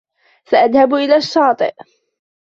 ساذهب إلى الشاطئ.